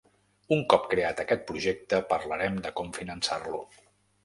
Un cop creat aquest projecte, parlarem de com finançar-lo.